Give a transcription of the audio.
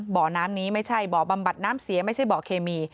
บ่อน้ำนี้ไม่ใช่บ่อบำบัดน้ำเสียไม่ใช่บ่อเคมี